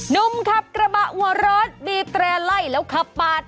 นุ่มขับกระบะหัวเริดดีแตรว์ไล่แล้วขับปาด